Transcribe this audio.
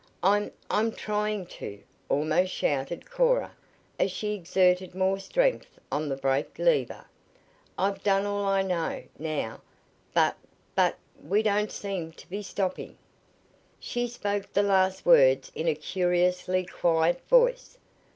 "I'm I'm trying to!" almost shouted Cora, as she exerted more strength on the brake lever. "I've done all I know, now, but but we don't seem to be stopping!" She spoke the last words in a curiously quiet voice.